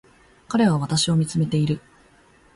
彼は私を見つめている